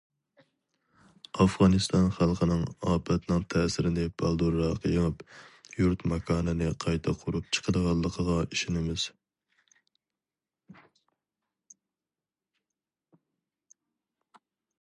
ئافغانىستان خەلقىنىڭ ئاپەتنىڭ تەسىرىنى بالدۇرراق يېڭىپ، يۇرت- ماكانىنى قايتا قۇرۇپ چىقىدىغانلىقىغا ئىشىنىمىز.